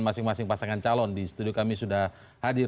masing masing pasangan calon di studio kami sudah hadir